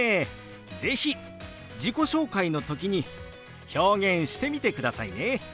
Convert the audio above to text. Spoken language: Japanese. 是非自己紹介の時に表現してみてくださいね。